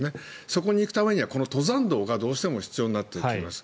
そこに行くためにはこの登山道がどうしても必要になってきます。